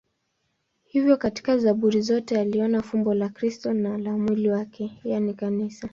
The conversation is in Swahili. Hivyo katika Zaburi zote aliona fumbo la Kristo na la mwili wake, yaani Kanisa.